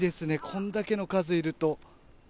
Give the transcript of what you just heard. これだけの数いると。